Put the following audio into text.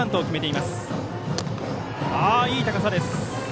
いい高さです。